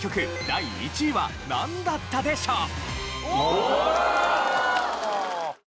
第１位はなんだったでしょう？